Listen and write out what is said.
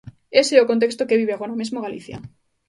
Ese é o contexto que vive agora mesmo Galicia.